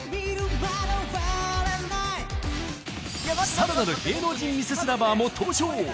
さらなる芸能人ミセス ＬＯＶＥＲ も登場！